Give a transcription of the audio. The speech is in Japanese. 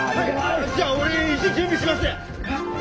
じゃあ俺石準備します！